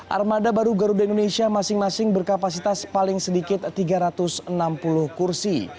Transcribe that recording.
armada baru garuda indonesia masing masing berkapasitas paling sedikit tiga ratus enam puluh kursi